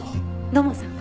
土門さん